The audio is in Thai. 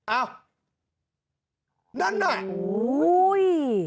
เอ้านั่นน่ะโห้ย